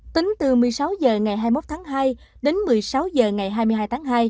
tính từ một mươi sáu h ngày hai mươi một tháng hai đến một mươi sáu h ngày hai mươi hai tháng hai